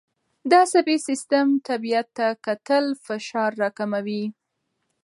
د عصبي سیستم طبیعت ته کتل فشار راکموي.